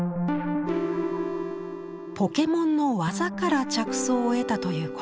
ポケモンの技から着想を得たというこの作品。